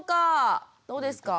どうですか？